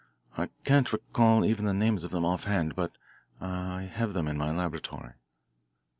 I can't recall even the names of them offhand, but I have them in my laboratory."